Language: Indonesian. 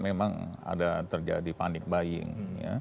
memang ada terjadi panik buying